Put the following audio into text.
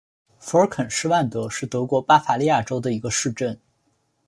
福尔肯施万德是德国巴伐利亚州的一个市镇。